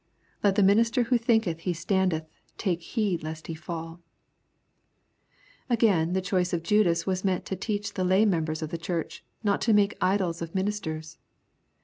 Let the minister who thinketh he standeth, take heed lest he fall Again, the choice of Judas was meant to teach the lay members of the Church, not to make idols of minis ters.